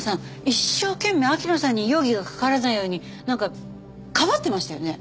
一生懸命秋野さんに容疑がかからないようになんかかばってましたよね？